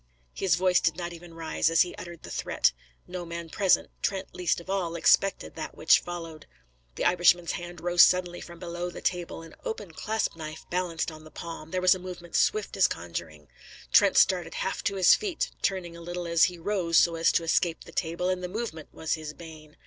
His voice did not even rise as he uttered the threat; no man present, Trent least of all, expected that which followed. The Irishman's hand rose suddenly from below the table, an open clasp knife balanced on the palm; there was a movement swift as conjuring; Trent started half to his feet, turning a little as he rose so as to escape the table, and the movement was his bane.